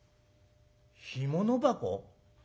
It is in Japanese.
「干物箱？